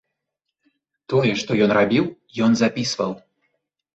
Тое, што ён рабіў, ён запісваў.